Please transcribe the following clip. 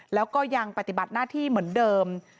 แล้วก็ยังปฏิบัติหน้าที่เหมือนเดิม